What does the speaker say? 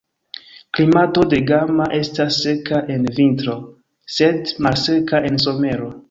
Klimato de Gama estas seka en vintro, sed malseka en somero.